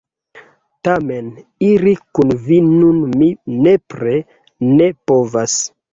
Tamen, iri kun vi nun mi nepre ne povas.